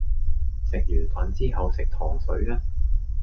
食完飯之後食糖水吖